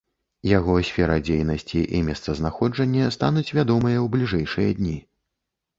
Яго сфера дзейнасці і месцазнаходжанне стануць вядомыя ў бліжэйшыя дні.